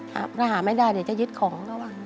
หากหาไม่ได้เดี๋ยวจะยึดของ